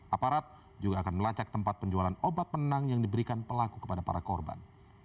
aparat juga akan melacak tempat penjualan obat penenang yang diberikan pelaku kepada para korban